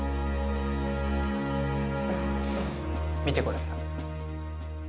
見てこれ。